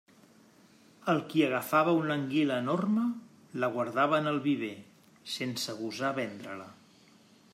El qui agafava una anguila enorme, la guardava en el viver, sense gosar vendre-la.